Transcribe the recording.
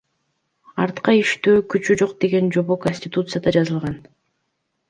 Артка иштөө күчү жок деген жобо Конституцияда жазылган.